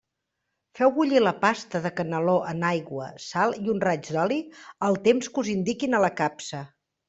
Feu bullir la pasta de caneló en aigua, sal i un raig d'oli, el temps que us indiquin a la capsa.